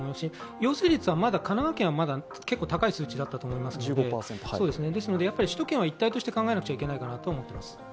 陽性率は神奈川県はまだ結構高い数値だったと思いますのでやっぱり首都圏は一体として考えなくちゃいけないかなと思っています。